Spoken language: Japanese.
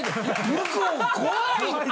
向こう怖いって！